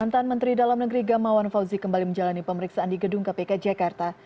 mantan menteri dalam negeri gamawan fauzi kembali menjalani pemeriksaan di gedung kpk jakarta